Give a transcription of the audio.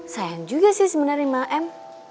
sayang juga sih menerima lima m